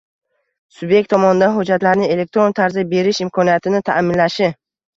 subyekt tomonidan hujjatlarni elektron tarzda berish imkoniyatini ta’minlashi;